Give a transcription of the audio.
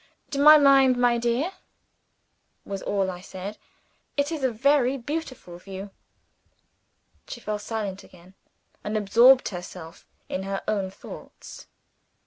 "To my mind, my dear," was all I said, "it is a very beautiful view." She fell silent again, and absorbed herself in her own thoughts.